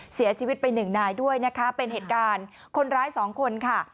เสียชีวิตไปหนึ่งนายด้วยนะคะเป็นเหตุการณ์คนร้ายสองคนค่ะ